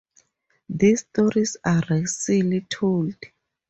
These stories are racily told.